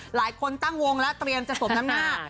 หลายคนตั้งวงแล้วเตรียมจะสมน้ำหน้า